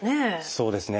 そうですね